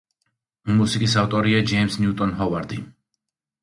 მუსიკის ავტორია ჯეიმზ ნიუტონ ჰოვარდი.